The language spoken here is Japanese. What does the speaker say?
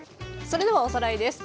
それではおさらいです。